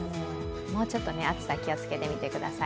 もうちょっと暑さ、気をつけてみてください。